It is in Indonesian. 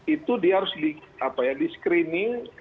itu dia harus di screening